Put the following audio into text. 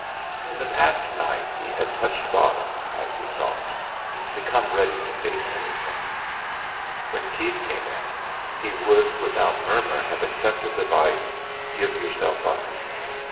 In the past night he had touched bottom, as he thought: become ready to face anything. When Keith came in he would without murmur have accepted the advice: "Give yourself up!"